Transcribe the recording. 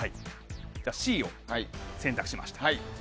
Ｃを選択しました。